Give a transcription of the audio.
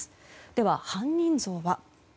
では、犯人像は？